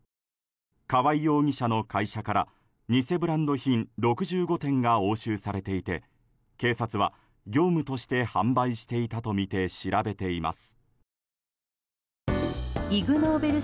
河合容疑者の会社から偽ブランド品６５点が押収されていて警察は、業務として販売していたとみて調べています。